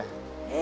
え！